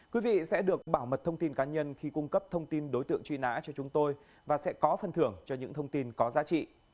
quý vị sẽ được bảo mật thông tin cá nhân khi cung cấp thông tin đối tượng truy nã cho chúng tôi và sẽ có phân thưởng cho những thông tin có giá trị